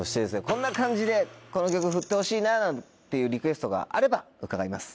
こんな感じでこの曲ふってほしいななんていうリクエストがあれば伺います。